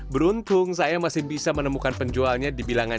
beruntung saya masih bisa menemukan penjualnya di bilangkabung